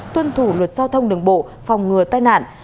tuân thủ luật giao thông đường bộ phòng ngừa tai nạn